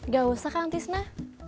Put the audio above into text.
gak usah kak antisna